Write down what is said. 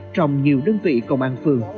trong nhiều đơn vị công an phường